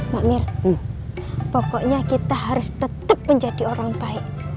mbak mir pokoknya kita harus tetep menjadi orang baik